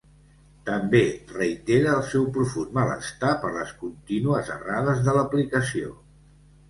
També reitera el seu profund malestar per les contínues errades de l'aplicació.